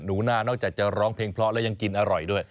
หนูนานอกจากจะร้องเพลงเพราะแล้วยังกินอร่อยด้วย